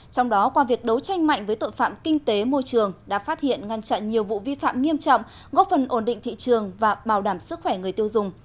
trong đó qua việc đấu tranh mạnh với tội phạm kinh tế môi trường đã phát hiện ngăn chặn nhiều vụ vi phạm nghiêm trọng góp phần ổn định thị trường và bảo đảm sức khỏe người tiêu dùng